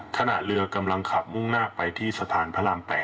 ขณะเรือกำลังขับมุ่งหน้าไปที่สะพานพระราม๘